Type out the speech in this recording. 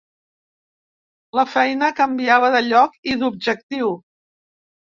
La feina canviava de lloc i d’objectiu.